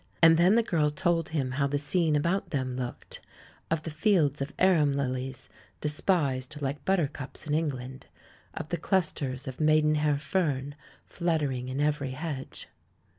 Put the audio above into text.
And then the girl told him how the scene about them looked; of the fields of arum hlies despised like butter cups in England; of the clusters of maidenhair fern fluttering in every hedge.